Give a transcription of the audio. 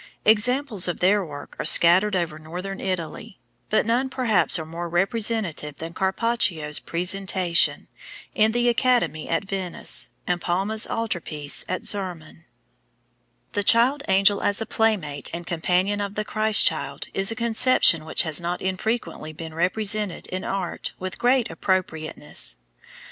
Examples of their work are scattered over Northern Italy, but none perhaps are more representative than Carpaccio's Presentation, in the Academy at Venice, and Palma's altar piece at Zerman. [Illustration: ANGEL FROM PAINTING IN CHURCH OF REDENTORE. VIVARINI.] The child angel as a playmate and companion of the Christ child is a conception which has not infrequently been represented in art with great appropriateness.